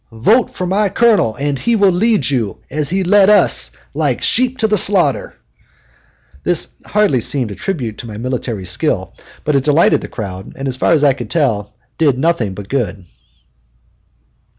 vote for my Colonel! and he will lead you, as he led us, like sheep to the slaughter!" This hardly seemed a tribute to my military skill; but it delighted the crowd, and as far as I could tell did me nothing but good.